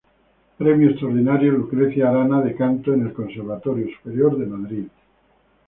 Premio extraordinario Lucrecia Arana de canto en el Conservatorio Superior de Madrid.